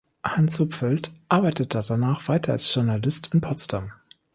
Hans Hupfeld arbeitete danach weiter als Journalist in Potsdam.